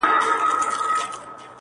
ارغوان او هر ډول ښکلیو -